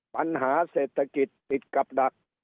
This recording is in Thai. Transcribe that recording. ปัญหาเศรษฐกิจติดกับดัก